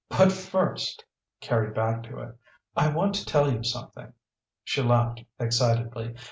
"But first" carried back to it "I want to tell you something." She laughed, excitedly.